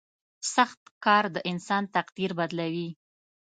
• سخت کار د انسان تقدیر بدلوي.